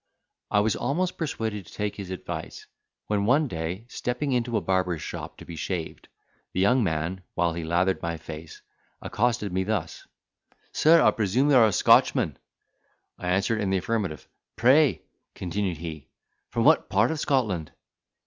I was almost persuaded to take his advice, when one day, stepping into a barber's shop to be shaved, the young man, while he lathered my face, accosted me thus: "Sir, I presume you are a Scotchman." I answered in the affirmative. "Pray," continued he, "from what part of Scotland?"